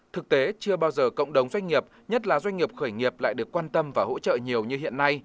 thực tế chưa bao giờ cộng đồng doanh nghiệp nhất là doanh nghiệp khởi nghiệp lại được quan tâm và hỗ trợ nhiều như hiện nay